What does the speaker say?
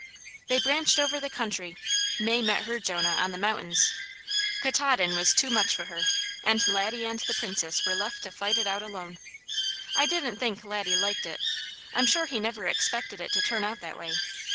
They branched over the country. May met her Jonah on the mountains. Katahdin was too much for her, and Laddie and the Princess were left to fight it out alone. I didn't think Laddie liked it. I'm sure he never expected it to turn out that way.